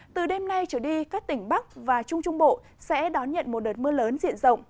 từ đêm nay trở đi các tỉnh bắc và trung trung bộ sẽ đón nhận một đợt mưa lớn diện rộng